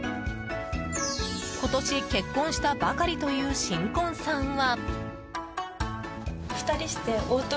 今年、結婚したばかりという新婚さんは。